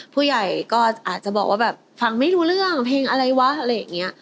ผู้ใหญ่ก็อาจจะบอกว่าแบบฟังไม่รู้เรื่องเพลงอะไรวะอะไรอย่างนี้